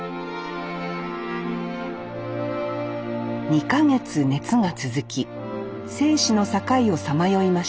２か月熱が続き生死の境をさまよいました。